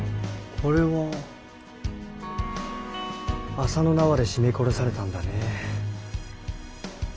麻の縄で絞め殺されたんだね。